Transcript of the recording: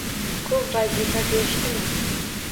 Ko‘p vazifa berishdimi?